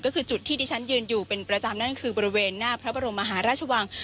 ก็คือจุดที่ดิฉันยืนอยู่เป็นประจำนั่นคือบริเวณหน้าพระบรมมหาราชวัง